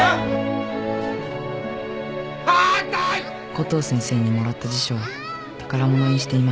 「コトー先生にもらった辞書宝物にしています。